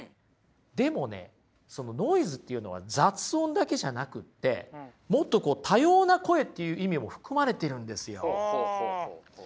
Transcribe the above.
でもねそのノイズっていうのは雑音だけじゃなくってもっとこう多様な声っていう意味も含まれてるんですよ。